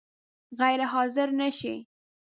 غیر حاضر نه شې؟